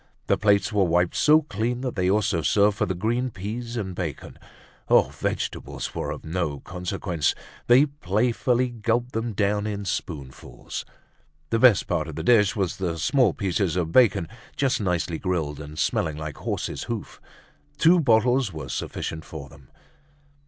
The plates were wiped so clean that they also served for the green peas and bacon. Oh! vegetables were of no consequence. They playfully gulped them down in spoonfuls. The best part of the dish was the small pieces of bacon just nicely grilled and smelling like horse's hoof. Two bottles were sufficient for them.